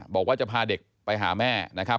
บอกว่าจะพาเด็กไปหาแม่นะครับ